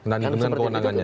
dan dengan kewenangannya